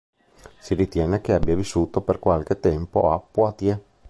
Si ritiene che abbia vissuto per qualche tempo a Poitiers.